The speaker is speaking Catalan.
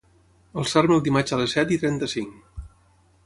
Alçar-me el dimarts a les set i trenta-cinc.